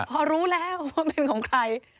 พอรู้แล้วว่าเป็นของใคร